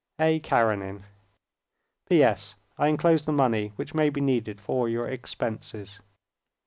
A. Karenin "P.S.—I enclose the money which may be needed for your expenses."